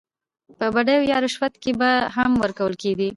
په بډو يا رشوت کې به هم ورکول کېدې.